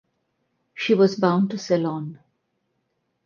She was bound to Ceylon.